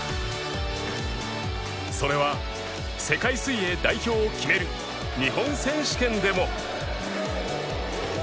それは世界水泳代表を決める日本選手権でも